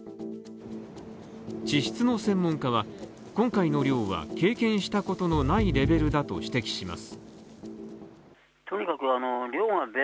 地質の専門家は今回の量は経験したことのないレベルだと指摘します。